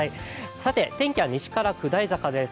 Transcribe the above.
さて天気は西から下り坂です。